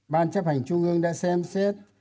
ban chấp hành trung ương đã xem xét